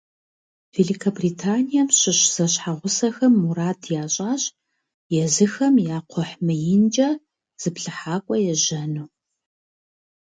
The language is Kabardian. Великобританием щыщ зэщхьэгъусэхэм мурад ящӏащ езыхэм я кхъухь мыинкӏэ зыплъыхьакӏуэ ежьэну.